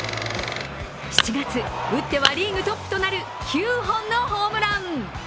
７月、打ってはリーグトップとなる９本のホームラン。